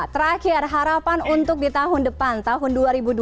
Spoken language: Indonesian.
terakhir harapan untuk di tahun depan tahun dua ribu dua puluh